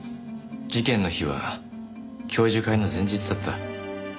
事件の日は教授会の前日だった。